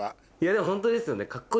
でもホントですよね。